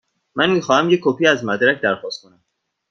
من می خواهم یک کپی از مدرک درخواست کنم.